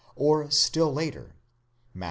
or still later (Matt.